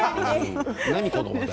何この話題。